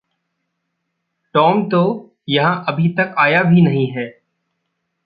Tom तो यहाँ अभी तक आया भी नहीं है।